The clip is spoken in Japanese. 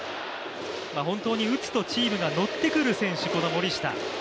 本当に打つとチームがノってくる選手、この森下。